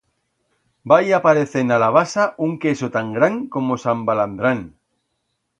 Va ir aparecend a la basa un queso tan gran como Sant Balandrán.